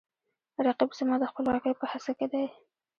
رقیب زما د خپلواکۍ په هڅه کې دی